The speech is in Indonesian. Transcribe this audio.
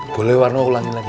boleh warna ulangi lagi